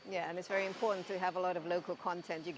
ya dan sangat penting untuk memiliki banyak konten lokal